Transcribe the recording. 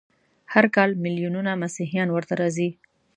هر کال ملیونونه مسیحیان ورته راځي.